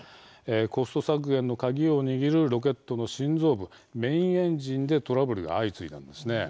コスト削減の鍵を握るロケットの心臓部メインエンジンでトラブルが相次いだんです。